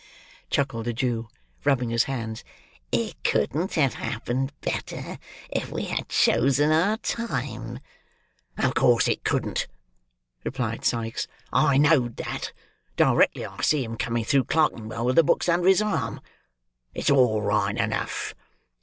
ha!" chuckled the Jew, rubbing his hands, "it couldn't have happened better, if we had chosen our time!" "Of course it couldn't," replied Sikes; "I know'd that, directly I see him coming through Clerkenwell, with the books under his arm. It's all right enough.